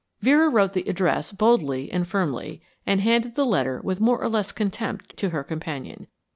Vera wrote the address boldly and firmly, and handed the letter with more or less contempt to her companion.